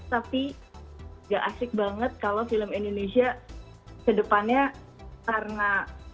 tapi gak asik banget kalau film indonesia kedepannya karena